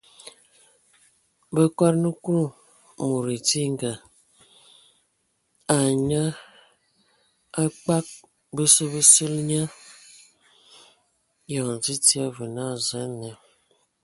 Ba akodan Kulu mod edinga a nyal a kpag basə ba sili eyoŋ dzidzia və naa: Zǝ a ne ve ?.